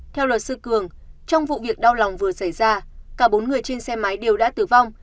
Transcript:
theo luật sư cường trong vụ việc đau lòng vừa xảy ra cả bốn người trên xe máy đều đã tử vong